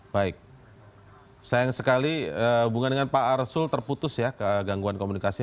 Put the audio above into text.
baik sayang sekali hubungan dengan pak arsul terputus ya gangguan komunikasi